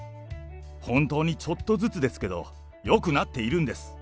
本当にちょっとずつですけど、よくなっているんです。